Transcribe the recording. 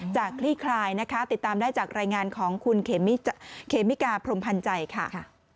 คลี่คลายนะคะติดตามได้จากรายงานของคุณเคมิกาพรมพันธ์ใจค่ะ